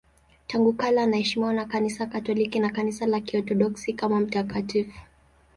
Tangu kale anaheshimiwa na Kanisa Katoliki na Kanisa la Kiorthodoksi kama mtakatifu.